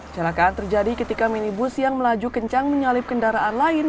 celakaan terjadi ketika minibus yang melaju kencang menyalip kendaraan lain